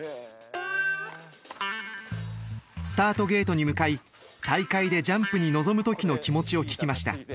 スタートゲートに向かい大会でジャンプに臨む時の気持ちを聞きました。